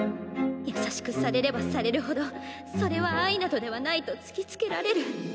優しくされればされるほどそれは愛などではないと突きつけられる。